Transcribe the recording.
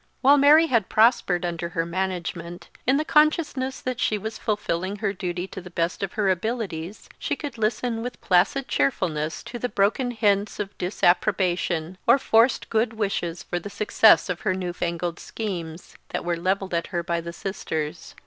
While Mary had prospered under her management, in the consciousness that she was fulfilling her duty to the best of her abilities, she could listen with placid cheerfulness to the broken hints of disapprobation, or forced good wishes for the success of her new fangled schemes, that were levelled at her by the sisters.